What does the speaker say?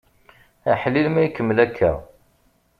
Aḥlil ma ikemmel akka!